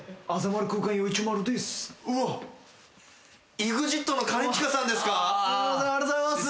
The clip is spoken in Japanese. ＥＸＩＴの兼近さんですか？